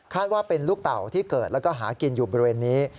ว่าเป็นลูกเต่าที่เกิดแล้วก็หากินอยู่บริเวณนี้